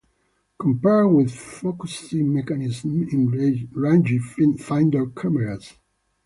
Compare with focusing mechanism in rangefinder cameras.